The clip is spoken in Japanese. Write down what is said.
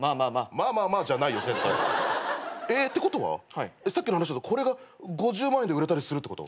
「まあまあまあ」じゃないよ。ってことはさっきの話だとこれが５０万円で売れたりするってこと？